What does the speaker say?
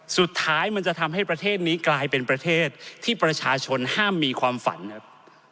สุดท้ายมันจะทำให้ประเทศนี้กลายเป็นประเทศที่ประชาชนห้ามมีความฝันครับ